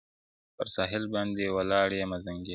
پر ساحل باندي ولاړ یمه زنګېږم!.